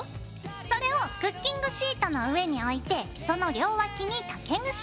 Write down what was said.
それをクッキングシートの上に置いてその両脇に竹串。